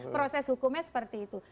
proses hukumnya seperti itu